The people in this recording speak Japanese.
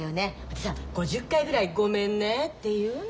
でさ５０回ぐらいごめんねって言うの。